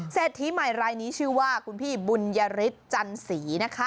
เศรษฐีใหม่รายนี้ชื่อว่าคุณพี่บุญยฤทธิ์จันสีนะคะ